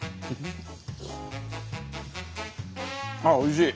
あっおいしい！